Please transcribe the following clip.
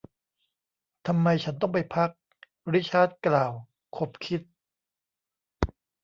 ทำไม ฉันต้องไปพัก ริชาร์ดกล่าว ขบคิด